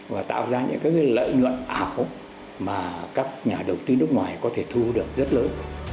và tạo ra những lợi nhuận ảo mà các nhà đầu tư nước ngoài có thể thu được rất lớn